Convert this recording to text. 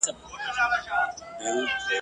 څوک له نومه سره ښخ سول چا کرلي افسانې دي !.